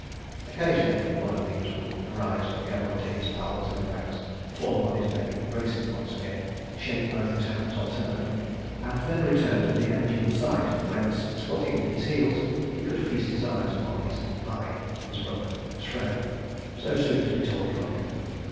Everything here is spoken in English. Occasionally one of these would arise and go unto his pal in the ranks, fall upon his neck, embrace him once again, shake both his hands alternately, and then return to the eligible site whence, squatting on his heels, he could feast his eyes upon his bhai, his brother, his friend, so soon to be torn from him.